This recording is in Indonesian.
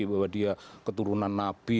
bahwa dia keturunan nabi